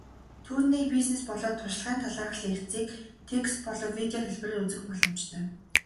Түүний бизнес болоод туршлагын талаарх лекцийг текстээр болон видео хэлбэрээр үзэх боломжтой.